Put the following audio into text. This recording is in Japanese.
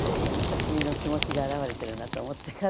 私の気持ちが表れてるなと思って。